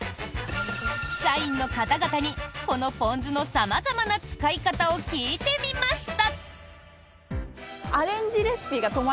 社員の方々にこのポン酢の様々な使い方を聞いてみました。